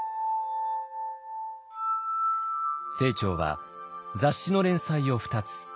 清張は雑誌の連載を２つ。